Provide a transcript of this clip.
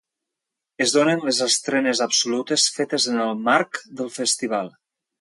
Es donen les estrenes absolutes fetes en el marc del festival.